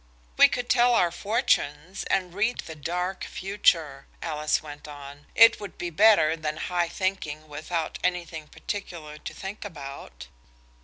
"We could tell our fortunes, and read the dark future," Alice went on. "It would be better than high thinking without anything particular to think about."